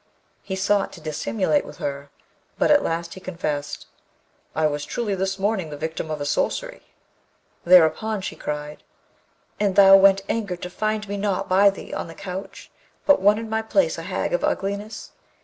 He sought to dissimulate with her, but at last he confessed, 'I was truly this morning the victim of a sorcery.' Thereupon she cried, 'And thou went angered to find me not by thee on the couch, but one in my place, a hag of ugliness.